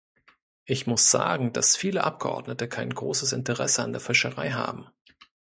Ich muss sagen, dass viele Abgeordnete kein großes Interesse an der Fischerei haben.